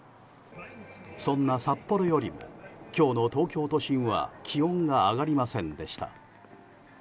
そんな札幌よりも今日の東京都心は気温が上がりませんでした。